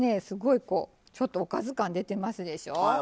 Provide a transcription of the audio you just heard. すごいこうちょっとおかず感出てますでしょう？